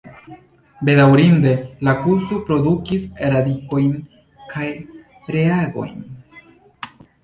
Bedaŭrinde, la akuzo produktis radikojn kaj reagojn.